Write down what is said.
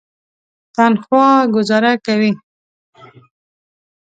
تنخوا ګوزاره کوي.